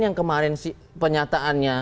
yang diberikan penyataan